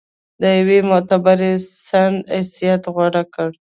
د یوه معتبر سند حیثیت غوره کړ.